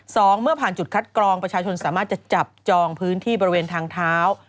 เมื่อผ่านจุดคัดกรองประชาชนสามารถจะจับจองพื้นที่บริเวณทางเท้า